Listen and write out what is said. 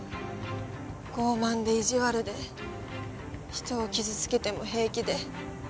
傲慢で意地悪で人を傷つけても平気で。